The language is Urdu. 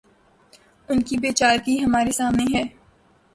ان کی بے چارگی ہمارے سامنے ہے۔